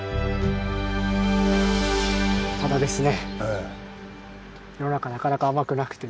ただですね